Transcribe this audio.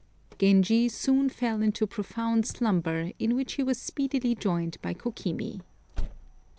Genji soon fell into profound slumber, in which he was speedily joined by Kokimi.